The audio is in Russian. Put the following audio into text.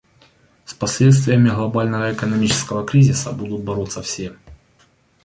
С последствиями глобального экономического кризиса будут бороться все.